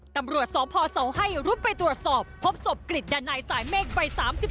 ตำรวจสพเสาให้รุดไปตรวจสอบพบศพกริจดันัยสายเมฆวัย๓๔